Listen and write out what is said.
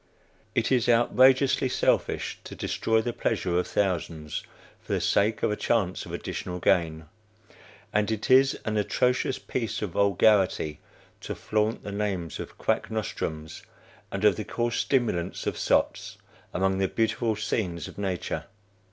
It is outrageously selfish to destroy the pleasure of thousands, for the sake of a chance of additional gain. And it is an atrocious piece of vulgarity to flaunt the names of quack nostrums, and of the coarse stimulants of sots, among the beautiful scenes of nature.